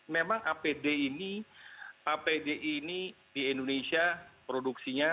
memang apd ini di indonesia produksinya